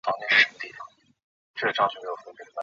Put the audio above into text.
朴勍完是一名韩国男子棒球运动员。